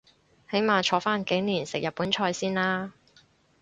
起碼坐返幾年食日本菜先啦